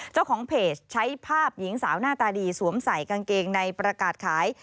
เจ้าของเพจใช้ภาพหญิงสาวหน้าตาดีสวมใส่กางเกงในประกาศขาย